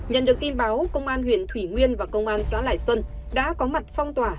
nhận được tin báo công an huyện thủy nguyên và công an xã lại xuân đã có mặt phong tỏa